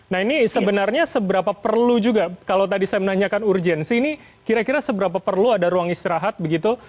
nah ini sebenarnya seberapa perlu juga kalau tadi saya menanyakan urgensi ini kira kira seberapa perlu ada ruang istirahat begitu